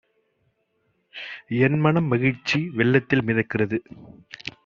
என் மனம் மகிழ்ச்சி வெள்ளத்தில் மிதக்கிறது!